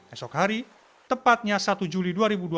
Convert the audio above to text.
esok hari tepatnya satu juli dua ribu dua puluh